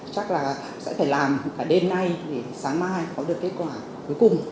chắc là sẽ phải làm cả đêm nay để sáng mai có được kết quả cuối cùng